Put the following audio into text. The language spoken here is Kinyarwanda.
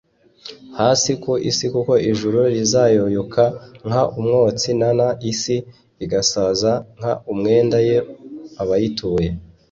hasi ku isi kuko ijuru rizayoyoka nk umwotsi n n isi igasaza nk umwenda o abayituye